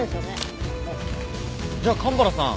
じゃあ蒲原さん